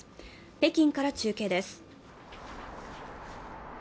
北京から中継です。